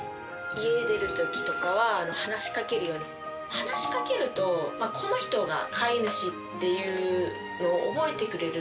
話し掛けるとこの人が飼い主っていうのを覚えてくれるみたいで。